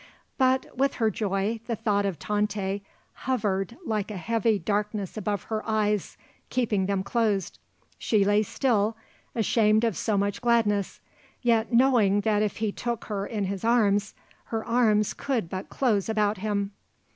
But, with her joy, the thought of Tante hovered like a heavy darkness above her eyes, keeping them closed. She lay still, ashamed of so much gladness, yet knowing that if he took her in his arms her arms could but close about him.